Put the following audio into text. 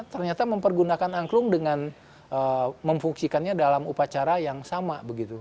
ternyata mempergunakan angklung dengan memfungsikannya dalam upacara yang sama begitu